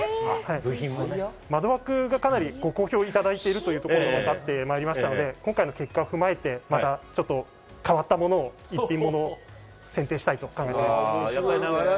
窓枠がかなりご好評いただいているということもありますので、今回の結果を踏まえて、またちょっと変わったもの、一点ものを選定したいと考えております。